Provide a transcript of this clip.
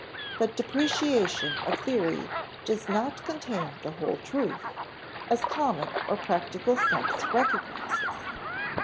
But depreciation of theory does not contain the whole truth, as common or practical sense recognizes.